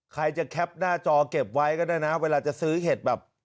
ใครจะแคปหน้าจอเก็บไว้ก็ได้นะเวลาจะซื้อเห็ดแบบ